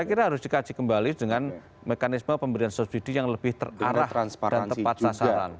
saya kira harus dikaji kembali dengan mekanisme pemberian subsidi yang lebih terarah dan tepat sasaran